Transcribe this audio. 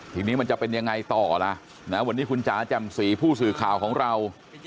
ทีนี้มันจะเป็นยังไงต่อล่ะนะวันนี้คุณจ๋าแจ่มสีผู้สื่อข่าวของเรา